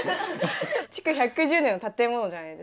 築１１０年の建物じゃないですか。